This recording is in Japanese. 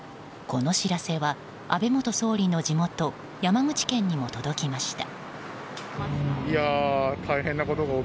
この知らせは安倍元総理の地元山口県にも届きました。